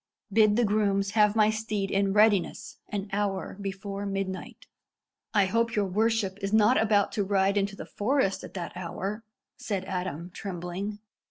Bid the grooms have my steed in readiness an hour before midnight." "I hope your worship is not about to ride into the forest at that hour?" said Adam, trembling.